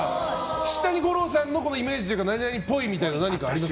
岸谷五朗さんのイメージというか何々っぽいみたいなの何かあります？